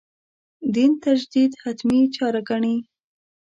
دین تجدید «حتمي» چاره ګڼي.